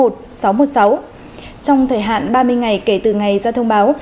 trong thời hạn ba mươi ngày kể từ ngày ra thông báo